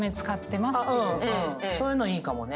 そういうのいいかもね。